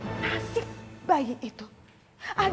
atau sampai di tayu sana